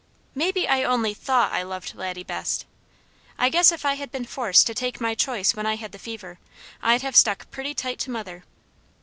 Maybe I only THOUGHT I loved Laddie best. I guess if I had been forced to take my choice when I had the fever, I'd have stuck pretty tight to mother.